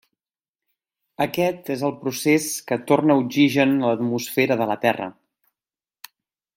Aquest és el procés que torna oxigen a l'atmosfera de la Terra.